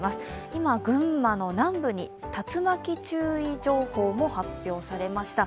今、群馬の南部に竜巻注意情報も発表されました。